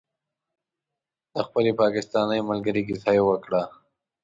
د خپلې پاکستانۍ ملګرې کیسه یې وکړه.